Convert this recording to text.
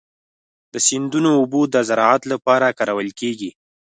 د سیندونو اوبه د زراعت لپاره کارول کېږي.